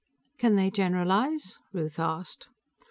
"Can they generalize?" Ruth asked.